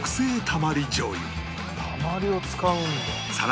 たまりを使うんだ。